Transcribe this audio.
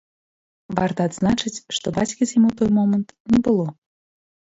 Варта адзначыць, што бацькі з ім у той момант не было.